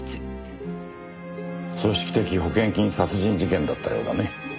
組織的保険金殺人事件だったようだね。